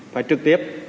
phải trực tiếp